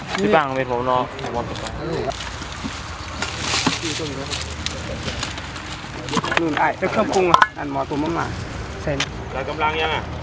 ที่บ้านก็เป็นหัวน้อง